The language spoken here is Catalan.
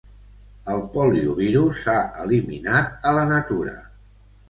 El poliovirus s"ha eliminat a la natura.